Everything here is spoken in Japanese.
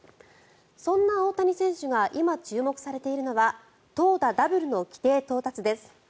そんな大谷選手が今、注目されているのは投打ダブルの規定到達です。